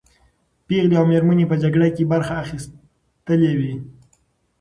پېغلې او مېرمنې په جګړه کې برخه اخیستلې وې.